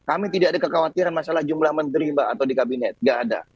kami tidak ada kekhawatiran masalah jumlah menteri mbak atau di kabinet nggak ada